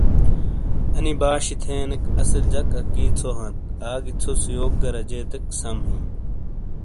انی باشی تھینیک اصل جک اکی ژھو ہانت آگی ژھو سے یوک گہ رجیتیک سم ہِیں